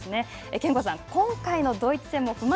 憲剛さん、今回のドイツ戦も踏ま